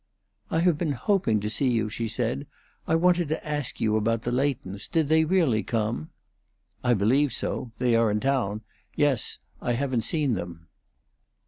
"I have been hoping to see you," she said. "I wanted to ask you about the Leightons. Did they really come?" "I believe so. They are in town yes. I haven't seen them."